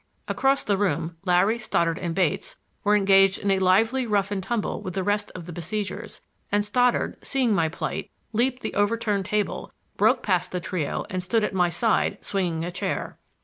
Across the room, Larry, Stoddard and Bates were engaged in a lively rough and tumble with the rest of the besiegers, and Stoddard, seeing my plight, leaped the overturned table, broke past the trio and stood at my side, swinging a chair.